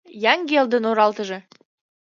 Яҥгелдын оралтыже.